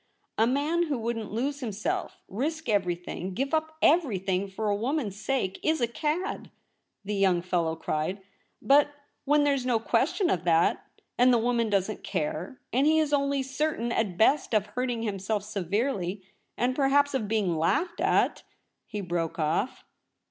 * A man who wouldn't lose himself, risk everything, give up everything, for a woman's sake is a cad,' the young fellow cried ;* but when there's no question of that, and the woman doesn't care, and he is only certain at best of hurting himself severely, and perhaps of being laughed at '— he broke off.